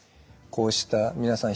こうした皆さん